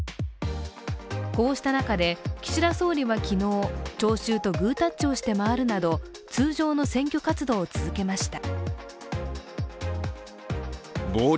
こうした中で岸田総理は昨日、聴衆とグータッチをして回るなど通常の選挙活動を続けました。